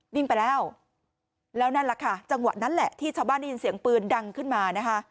นิ่งไปแล้วแล้วนั่นแหละค่ะจังหวะนั้นแหละที่ชาวบ้านได้ยินเสียงปืนดังขึ้นมานะคะ